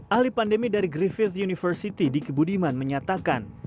ahli pandemi dari griffith university di kebudiman menyatakan